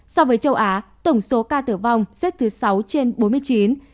so với châu á tổng số ca tử vong xếp thứ sáu trên bốn mươi chín cụ thể xếp thứ ba của asean